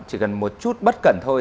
chỉ cần một chút bất cẩn thôi